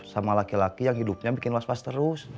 sama laki laki yang hidupnya bikin was was terus